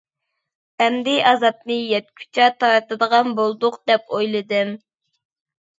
ئەمدى ئازابنى يەتكۈچە تارتىدىغان بولدۇق دەپ ئويلىدىم.